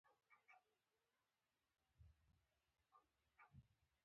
موږ یې پر درې بېلابېلو مېلمستونونو ووېشل.